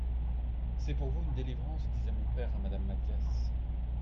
C'est pour vous une delivrance, disait mon pere a Madame Mathias.